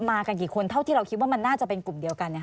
กันกี่คนเท่าที่เราคิดว่ามันน่าจะเป็นกลุ่มเดียวกัน